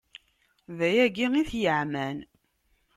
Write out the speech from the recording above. D ayagi i t-yeɛman.